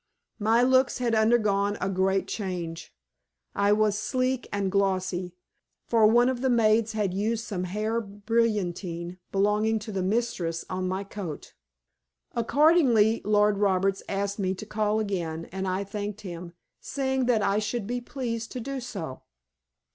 My looks had undergone a great change, I was sleek and glossy, for one of the maids had used some hair brilliantine belonging to the mistress on my coat. Accordingly Lord Roberts asked me to call again and I thanked him, saying that I should be pleased to do so.